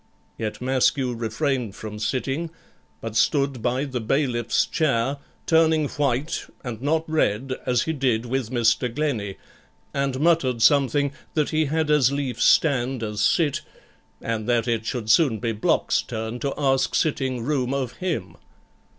Yet Maskew refrained from sitting, but stood by the bailiff's chair, turning white, and not red, as he did with Mr. Glennie; and muttered something, that he had as lief stand as sit, and that it should soon be Block's turn to ask sitting room of him.